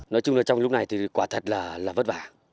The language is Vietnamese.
nói chung là trong lúc này thì quả thật là vất vả